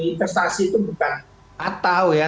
investasi itu bukan atau ya